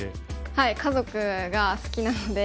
はい家族が好きなので。